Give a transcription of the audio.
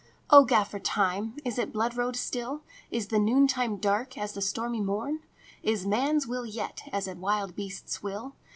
" O Gaffer Time, is it blood road still? Is the noontide dark as the stormy morn? Is man s will yet as a wild beast s will?